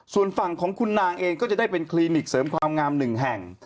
ส่วนฝั่งของคุณนางเองก็จะได้เป็นคลินิกเสริมความงามหนึ่งแห่ง